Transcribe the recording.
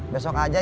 besok aja ya